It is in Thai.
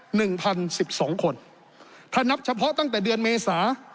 หนึ่งพันสิบสองคนถ้านับเฉพาะตั้งแต่เดือนเมษา